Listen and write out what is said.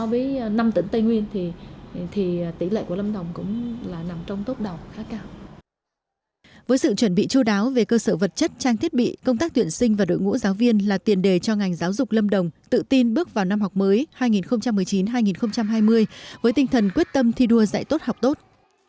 với sự chuẩn bị chú đáo về cơ sở vật chất trang thiết bị công tác tuyển sinh và đội ngũ giáo viên là tiền đề cho ngành giáo dục lâm đồng tự tin bước vào năm học mới hai nghìn một mươi chín hai nghìn hai mươi với tinh thần quyết tâm thi đua dạy tốt học tốt